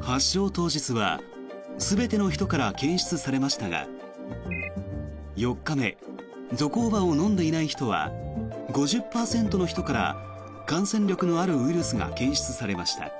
発症当日は全ての人から検出されましたが４日目、ゾコーバを飲んでいない人は５０％の人から感染力のあるウイルスが検出されました。